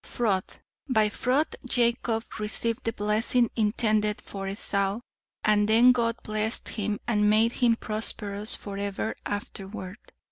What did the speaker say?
"Fraud. 'By fraud, Jacob received the blessing intended for Esau and then God blessed him and made him prosperous forever afterward.